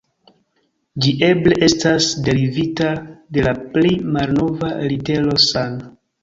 Ĝi eble estas derivita de la pli malnova litero san.